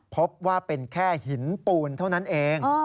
พบว่าเป็นแค่หินปูนเท่านั้นเอง